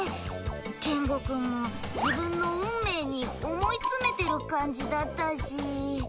ケンゴくんも自分の運命に思い詰めてる感じだったし。